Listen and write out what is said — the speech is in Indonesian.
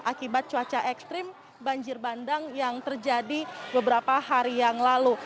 akibat cuaca ekstrim banjir bandang yang terjadi beberapa hari yang lalu